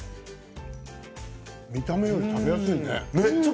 見た目より食べやすいね。